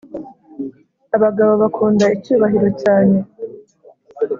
Abagabo bakunda icyubahiro cyane